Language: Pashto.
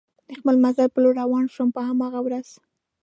د خپل مزل په لور روان شوم، په هماغه ورځ.